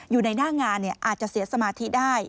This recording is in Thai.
อยู่ในหน้างานอาจจะเสียสมาธิได้